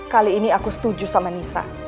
kali ini aku setuju sama nisa